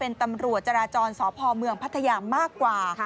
เป็นตำรวจจราจรสพเมืองพัทยามากกว่า